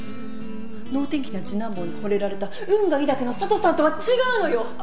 能天気な次男坊にほれられた運がいいだけの佐都さんとは違うのよ。